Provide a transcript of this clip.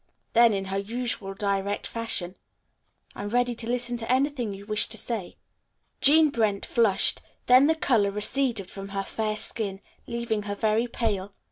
Then in her usual direct fashion, "I am ready to listen to anything you wish to say." Jean Brent flushed, then the color receded from her fair skin, leaving her very pale.